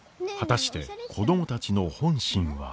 果たして子供たちの本心は。